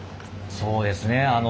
そうですね。